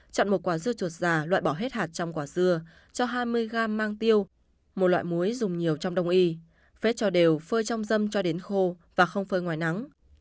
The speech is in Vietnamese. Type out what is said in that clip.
chọn một quả dưa chuột già loại bỏ hết hạt trong quả dưa cho hai mươi gam mang tiêu một loại muối dùng nhiều trong đông y phết cho đều phơi trong dâm cho đến khô và không phơi ngoài nắng